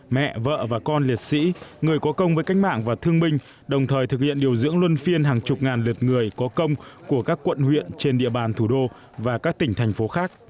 mẹ vợ và con liệt sĩ người có công với cách mạng và thương binh đồng thời thực hiện điều dưỡng luân phiên hàng chục ngàn lượt người có công của các quận huyện trên địa bàn thủ đô và các tỉnh thành phố khác